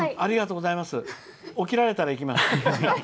起きられたら行きます。